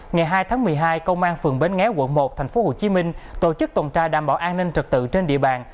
ngày hai tháng một mươi hai công an phường bến nghéo quận một tp hcm tổ chức tuần tra đảm bảo an ninh trật tự trên địa bàn